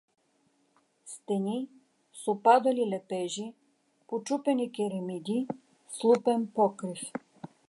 Стени с опадали лепежи, почупени керемиди, слупен покрив.